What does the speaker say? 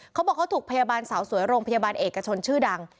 ก็ถูกพยาบาลสาวสวยร่งพยาบาลเอกชนชื่อดัง